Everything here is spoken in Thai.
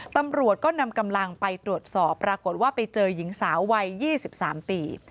ตำรวจก็นำกำลังไปตรวจสอบปรากฏว่าไปเจอหญิงสาววัย๒๓ปี